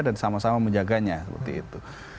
dan sama sama menjaganya seperti itu